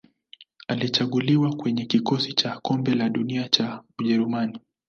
Alichaguliwa kwenye kikosi cha Kombe la Dunia cha Ujerumani.